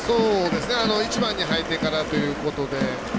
１番に入ってからということで。